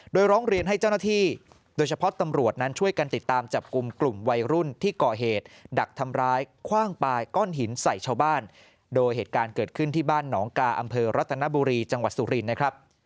โดยร้องเรียนให้เจ้าหน้าที่โดยเฉพาะตำรวจนั้นช่วยกันติดตามจับกลุ่มกลุ่มวัยรุ่นที่ก่อเหตุดักทำร้ายคว่างปลายก้อนหินใส่ชาวบ้านโดยเหตุการณ์เกิดขึ้นที่บ้านหนองกาอำเภอรัตนบุรีจังหวัดสุรินนะครับ